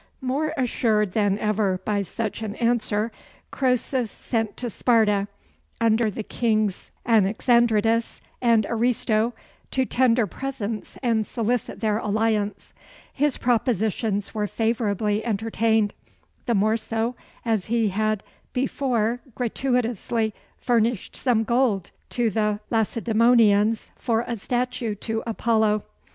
More assured than ever by such an answer, Croesus sent to Sparta, under the kings Anaxandrides and Aristo, to tender presents and solicit their alliance. His propositions were favorably entertained the more so, as he had before gratuitously furnished some gold to the Lacedæmonians for a statue to Apollo.